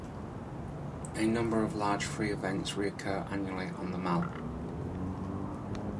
A number of large free events recur annually on the Mall.